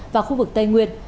và khu vực tây nguyên